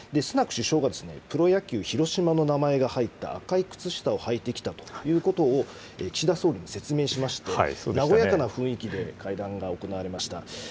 首相がプロ野球・広島の名前が入った赤い靴下を履いてきたということを岸田総理に説明しまして、和やかな雰囲気で会談が行われました。